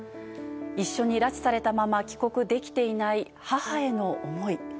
一緒に拉致されたまま帰国できていない母への思い。